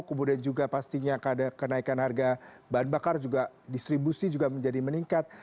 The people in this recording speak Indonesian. kemudian juga pastinya kenaikan harga bahan bakar juga distribusi juga menjadi meningkat